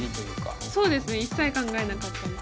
そうですね一切考えなかったです。